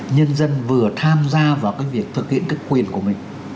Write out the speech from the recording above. nhân dân vừa tham gia vào việc thực hiện quyền của mình